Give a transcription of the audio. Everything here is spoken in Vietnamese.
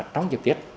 trong dịp tết